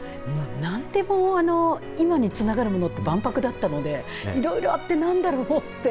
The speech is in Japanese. なんでも今につながるものって、万博だったので、いろいろあってなんだろうと思って。